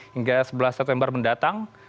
hingga sebelas september mendatang